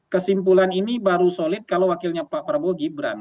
kesimpulan ini baru solid kalau wakilnya pak prabowo gibran